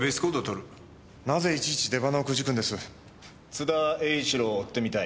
津田栄一郎を追ってみたい。